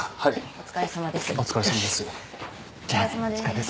お疲れさまです。